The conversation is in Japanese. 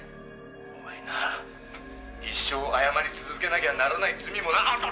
「お前なぁ一生謝り続けなきゃならない罪も」